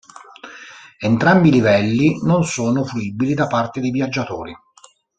Entrambi i livelli non sono fruibili da parte dei viaggiatori.